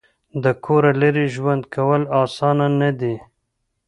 د کوره لرې ژوند کول اسانه نه دي.